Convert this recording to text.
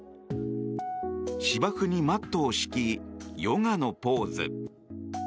芝生にマットを敷きヨガのポーズ。